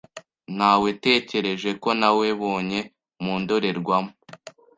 Nawetekereje ko nawebonye mu ndorerwamo.